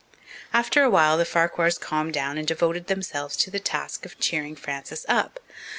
After a while the Farquhars calmed down and devoted themselves to the task of cheering Frances up.